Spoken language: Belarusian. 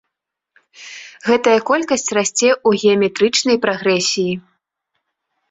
Гэтая колькасць расце ў геаметрычнай прагрэсіі.